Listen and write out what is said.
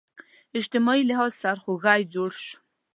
اجتماعي لحاظ سرخوږی جوړ شو